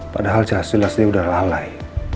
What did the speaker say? padahal jahat jelas dia udah lalai